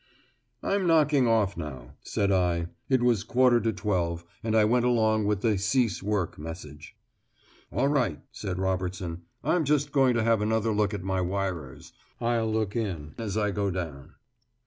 "I'm knocking off now," said I. It was a quarter to twelve, and I went along with the "Cease work" message. "All right," said Robertson, "I'm just going to have another look at my wirers. I'll look in as I go down."